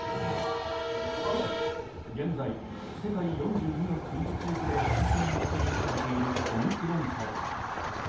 現在、世界４２の国と地域で感染が確認されているオミクロン株。